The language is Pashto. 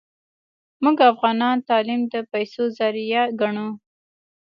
موږ افغانان تعلیم د پیسو ذریعه ګڼو